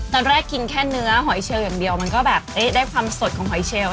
ตอนแรกกินแค่เนื้อหอยเชลอย่างเดียวมันก็แบบได้ความสดของหอยเชลล